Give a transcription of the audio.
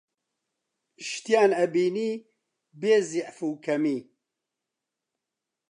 شتیان ئەبینی بێزیعف و کەمی